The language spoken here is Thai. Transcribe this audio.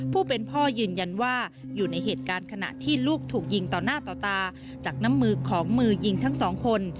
ผู้เป็นพ่อยืนยันว่าอยู่ในเหตุการณ์ขณะที่ลูกถูกยิงต่อหน้าต่อตาจากน้ำมือของมือยิงทั้งสองคน